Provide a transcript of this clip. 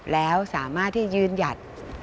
แล้วสามารถที่ยืนหยัด